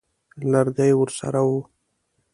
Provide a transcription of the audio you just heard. لرګی ورسره وو.